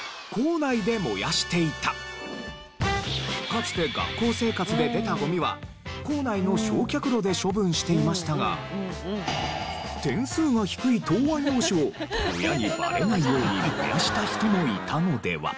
かつて学校生活で出たゴミは校内の焼却炉で処分していましたが点数が低い答案用紙を親にバレないように燃やした人もいたのでは？